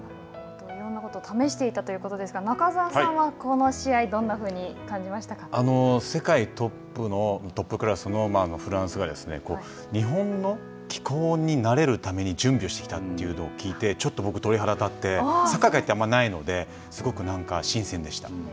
いろんなことを試していたということですが、中澤さんはこの試世界トップクラスのフランスが日本の気候に慣れるために準備をしてきたというのを聞いてちょっと僕、鳥肌が立って、サッカー界って、あんまりないのですごくなんか新鮮でした。